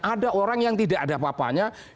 ada orang yang tidak ada apa apanya